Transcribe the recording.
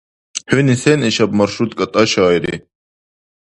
ХӀуни сен ишаб маршрутка тӀашаири?